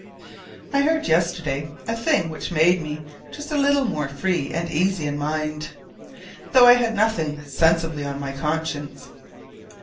I heard yesterday a thing which made me just a little more free and easy in mind, though I had nothing sensibly on my conscience.